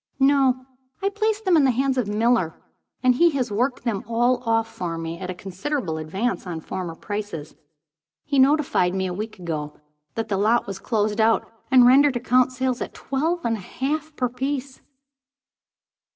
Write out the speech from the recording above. "No, I placed them in the hands of Miller, and he has worked them all off for me at a considerable advance on former prices. He notified me, a week ago, that the lot was closed out, and rendered account sales at twelve and a half per piece."